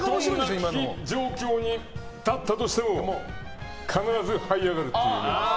どんな危機状況に立ったとしても必ずはい上がるってことです。